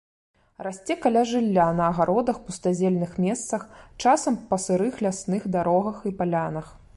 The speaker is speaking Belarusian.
Расце каля жылля, на агародах, пустазельных месцах, часам па сырых лясных дарогах і палянах.